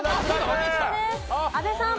阿部さん。